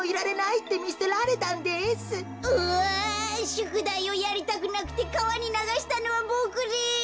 しゅくだいをやりたくなくてかわにながしたのはボクです。